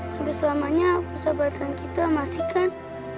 sampai selamanya persahabatan kita masih kan